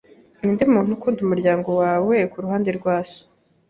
Ninde muntu ukunda mumuryango wawe kuruhande rwa so?